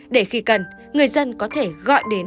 để khi cần người dân có thể gọi đến